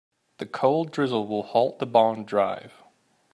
The cold drizzle will halt the bond drive.